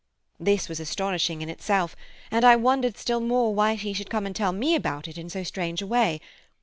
This was astonishing in itself, and I wondered still more why he should come and tell me about it in so strange a way.